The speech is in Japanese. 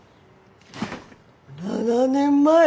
７年前！？